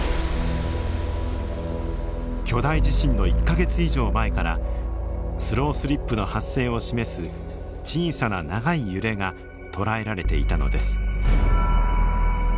巨大地震の１か月以上前からスロースリップの発生を示す小さな長い揺れが捉えられていたのです。